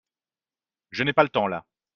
Je n’ai pas le temps là.